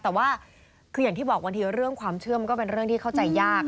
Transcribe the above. แต่ว่าคืออย่างที่บอกบางทีเรื่องความเชื่อมันก็เป็นเรื่องที่เข้าใจยาก